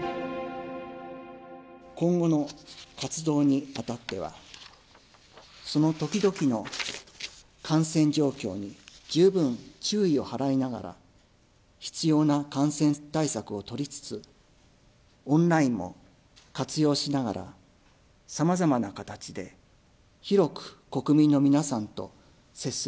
今後の活動にあたっては、その時々の感染状況に十分注意を払いながら、必要な感染対策を取りつつ、オンラインも活用しながら、使い方で選べるキッチンボード。